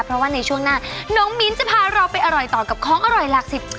เพราะว่าในช่วงหน้าน้องมิ้นจะพาเราไปอร่อยต่อกับของอร่อยหลักสิบ